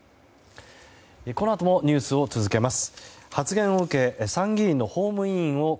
このあともニュースを続けます。